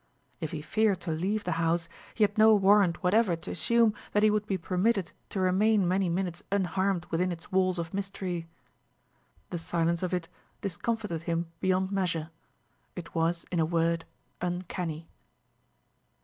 If he feared to leave the house he had no warrant whatever to assume that he would be permitted to remain many minutes unharmed within its walls of mystery. The silence of it discomfited him beyond measure; it was, in a word, uncanny.